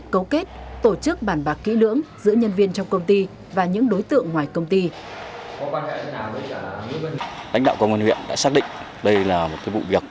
cấu kết tổ chức bàn bạc kỹ lưỡng giữa nhân viên trộm cắp